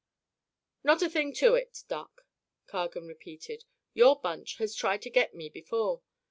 "Not a thing to it, Doc," Cargan repeated, "Your bunch has tried to get me before.